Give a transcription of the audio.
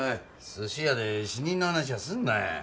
寿司屋で死人の話はすんない。